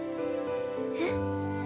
えっ？